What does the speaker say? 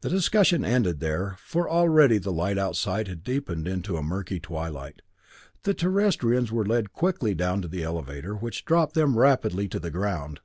The discussion ended there, for already the light outside had deepened to a murky twilight. The Terrestrians were led quickly down to the elevator, which dropped them rapidly to the ground.